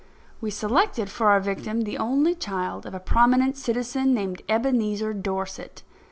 We selected for our victim the only child of a prominent citizen named Ebenezer Dorset.